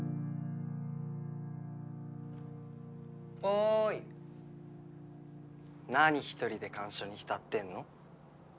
おーい何１人で感傷に浸ってんの？